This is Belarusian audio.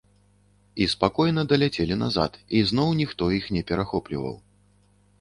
І спакойна даляцелі назад, і зноў ніхто іх не перахопліваў.